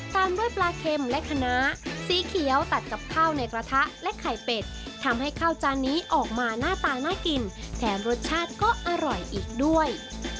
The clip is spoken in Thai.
ตามด้วยปลาเข็มและคณะสีเขียวตัดกับข้าวในกระทะและไข่เป็ดทำให้ข้าวจานนี้ออกมาหน้าตาน่ากินแถมรสชาติก็อร่อยอีกด้วย